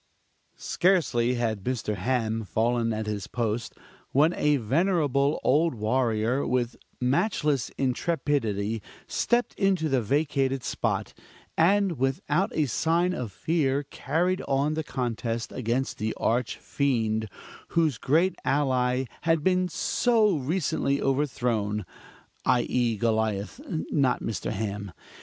Scarcely had Mr. Ham fallen at his post, when a venerable old warrior, with matchless intrepidity, stepped into the vacated spot; and without a sign of fear carried on the contest against the Arch Fiend, whose great ally had been so recently overthrown i.e., Goliath, (not Mr. Ham).